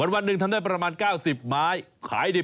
วันนึงทำได้ประมาณ๙๐ไม้